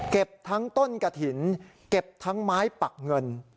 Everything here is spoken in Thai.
ทั้งต้นกะถิ่นเก็บทั้งไม้ปักเงิน